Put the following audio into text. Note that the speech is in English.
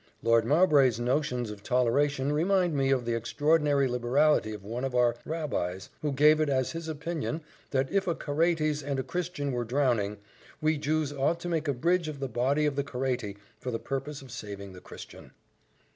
Lord Mowbray's notions of toleration remind me of the extraordinary liberality of one of our Rabbies, who gave it as his opinion that if a Caraites and a Christian were drowning, we Jews ought to make a bridge of the body of the Caraite, for the purpose of saving the Christian."